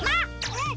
うん？